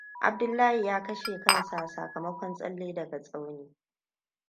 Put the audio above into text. Abdullahi ya kashe kansa sakamakon tsalle daga tsauni.